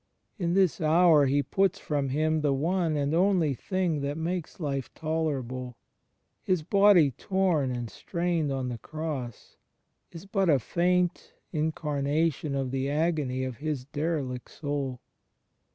... In this hour He puts from Him the one and only thing that makes life tolerable. His Body, torn and strained on the Cross, is but a very faint in carnation of the agony of His derelict Soul.